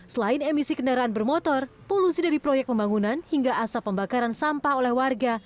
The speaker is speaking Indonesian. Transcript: selain emisi kendaraan bermotor polusi dari proyek pembangunan hingga asap pembakaran sampah oleh warga